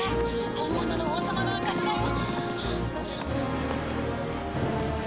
本物の王様の証しだよ。